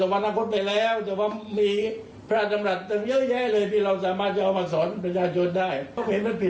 ไม่ได้อ้างพระเจ้าอยู่ว่าวงปัจจุบันนี้